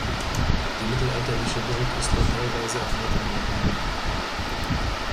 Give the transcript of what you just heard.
Die mittelalterliche Burg ist nur teilweise erhalten geblieben.